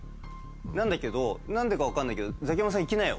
だけど何でか分かんないけど「ザキヤマさんいきなよ」